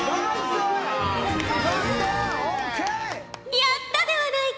やったではないか。